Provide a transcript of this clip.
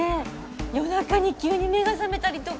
夜中に急に目が覚めたりとか。